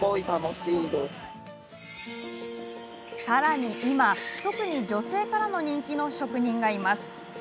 さらに今、特に女性からの人気の職人がいます。